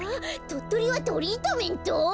とっとりはトリートメント？